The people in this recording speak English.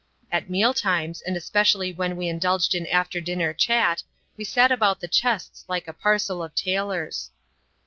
At meal times, and especially when we indulged in after dinner chat, we sat about the chests like a parcel of tailors.